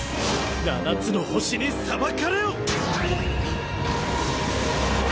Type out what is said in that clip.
七つの星に裁かれよ！